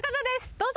どうぞ。